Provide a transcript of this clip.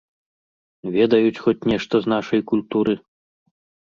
Ведаюць хоць нешта з нашай культуры?